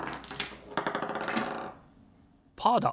パーだ！